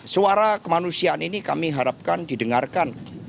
suara kemanusiaan ini kami harapkan didengarkan